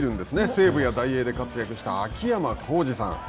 西武やダイエーで活躍した秋山幸二さん。